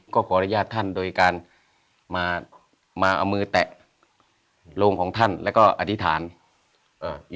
ก็ขออนุญาตท่านโดยการมามาเอามือแตะโรงของท่านแล้วก็อธิษฐานอ่า